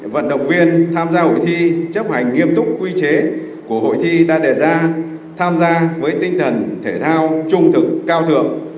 vận động viên tham gia hội thi chấp hành nghiêm túc quy chế của hội thi đã đề ra tham gia với tinh thần thể thao trung thực cao thường